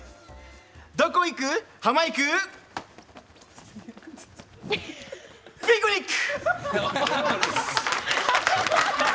どこいくハマいくピクニック。